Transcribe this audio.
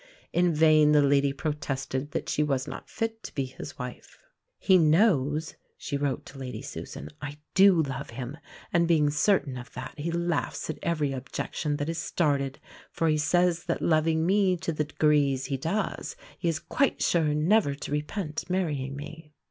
In vain the lady protested that she was not fit to be his wife. "He knows," she wrote to Lady Susan, "I do love him; and being certain of that, he laughs at every objection that is started, for he says that, loving me to the degrees he does, he is quite sure never to repent marrying me."